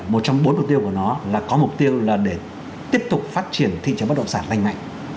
một trong bốn mục tiêu của nó là có mục tiêu là để tiếp tục phát triển thị trường bất động sản lành mạnh